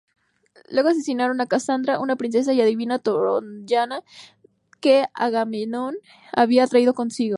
Luego asesinaron a Casandra, una princesa y adivina troyana que Agamenón había traído consigo.